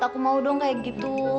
aku mau dong kayak gitu